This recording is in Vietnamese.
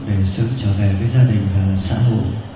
để trở về với gia đình và xã hội